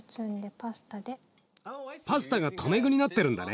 パスタが留め具になってるんだね。